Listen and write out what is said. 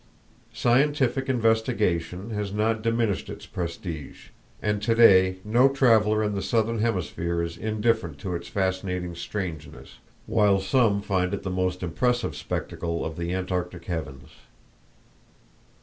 Scientific investigation has not diminished its prestige, and today no traveler in the southern hemisphere is indifferent to its fascinating strangeness, while some find it the most impressive spectacle of the antarctic heavens.